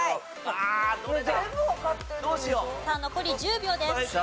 さあ残り１０秒です。